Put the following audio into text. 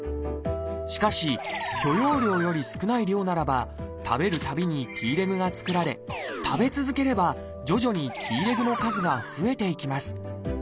しかし許容量より少ない量ならば食べるたびにＴレグが作られ食べ続ければ徐々にＴレグの数が増えていきます。